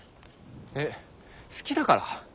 えっ好きだから？